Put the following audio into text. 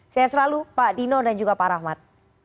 sehat selalu pak dino dan juga pak rahmat